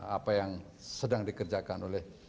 apa yang sedang dikerjakan oleh